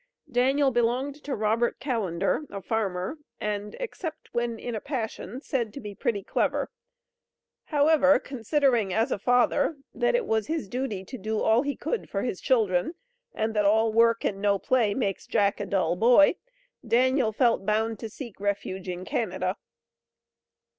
Daniel belonged to Robert Calender, a farmer, and, "except when in a passion," said to be "pretty clever." However, considering as a father, that it was his "duty to do all he could" for his children, and that all work and no play makes Jack a dull boy, Daniel felt bound to seek refuge in Canada.